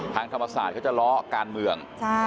ทางธรรมศาสตร์เขาจะล้อการเมือง